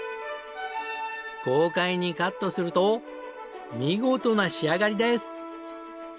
豪快にカットすると見事な仕上がりです！